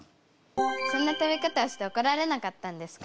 そんな食べ方をして怒られなかったんですか？